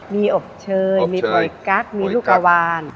มีอบเชยมีโปรยกั๊กมีลูกกะวาน